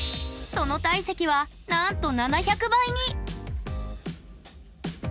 その体積はなんと７００倍に！